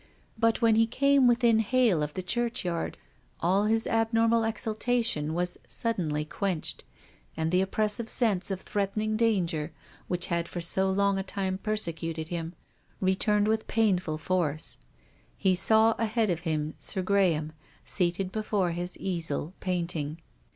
But when he came within hail of the churchyard all his abnormal exultation was suddenly quenched, and the oppressive sense of threatening danger which had for so long a time persecuted him, returned with painful force. He saw ahead of him Sir Graham seated before his easel painting.